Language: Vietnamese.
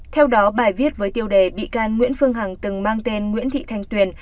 theo đó bài viết với tiêu đề bị can nguyễn phương hằng từng mang tên nguyễn thị thanh tuyền